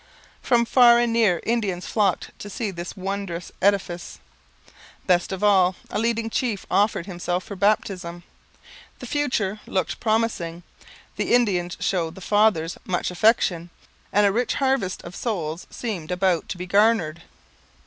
From far and near Indians flocked to see this wondrous edifice. Best of all, a leading chief offered himself for baptism. The future looked promising; the Indians showed the fathers 'much affection' and a rich harvest of souls seemed about to be garnered.